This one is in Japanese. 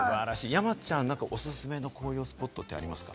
山ちゃんおすすめの紅葉スポットってありますか？